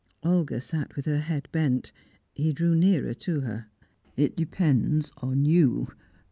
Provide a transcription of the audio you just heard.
Olga sat with her head bent. He drew nearer to her. "It depends upon you.